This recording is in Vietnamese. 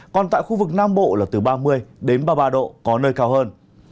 còn tại khu vực nam bộ là từ ba mươi đến ba mươi ba độ có nơi cao hơn